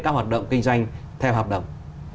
các hoạt động kinh doanh theo hợp đồng